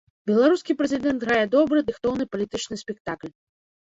Беларускі прэзідэнт грае добры, дыхтоўны палітычны спектакль.